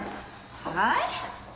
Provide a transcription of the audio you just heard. はい？